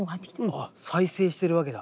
あっ再生してるわけだ。